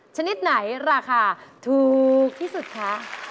ชนิดไหนราคาถูกที่สุดคะ